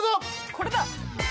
これだ！